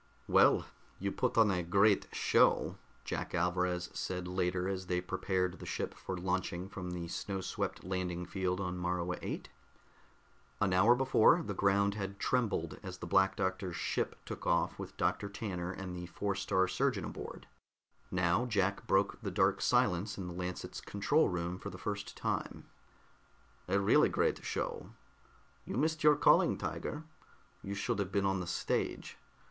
"Well, you put on a great show," Jack Alvarez said later as they prepared the ship for launching from the snow swept landing field on Morua VIII. An hour before the ground had trembled as the Black Doctor's ship took off with Dr. Tanner and the Four star Surgeon aboard; now Jack broke the dark silence in the Lancet's control room for the first time. "A really great show. You missed your calling, Tiger. You should have been on the stage.